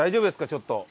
ちょっと。